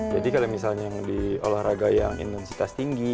jadi kalau misalnya yang di olahraga yang intensitas tinggi